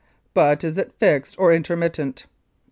But is it fixed or intermittent?